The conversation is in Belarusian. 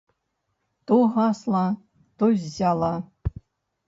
То гасла, то ззяла.